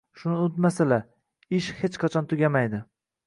shuni unutmasinlar: ish hech qachon tugamaydi.